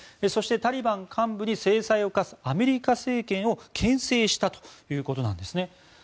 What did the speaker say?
そして、タリバン幹部に制裁を科すアメリカ政権を牽制したということなんですね。